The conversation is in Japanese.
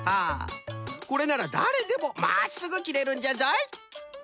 これならだれでもまっすぐ切れるんじゃぞい。